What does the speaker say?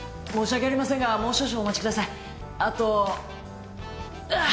申し訳ありませんがもう少々お待ちください。